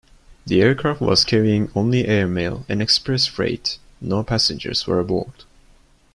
The aircraft was carrying only airmail and express freight; no passengers were aboard.